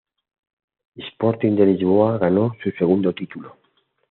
Sporting de Lisboa ganó su segundo título.